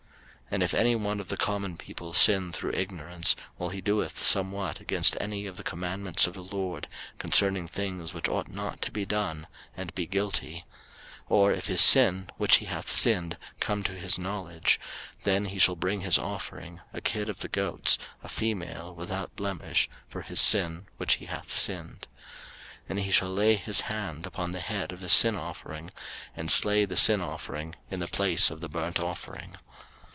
03:004:027 And if any one of the common people sin through ignorance, while he doeth somewhat against any of the commandments of the LORD concerning things which ought not to be done, and be guilty; 03:004:028 Or if his sin, which he hath sinned, come to his knowledge: then he shall bring his offering, a kid of the goats, a female without blemish, for his sin which he hath sinned. 03:004:029 And he shall lay his hand upon the head of the sin offering, and slay the sin offering in the place of the burnt offering.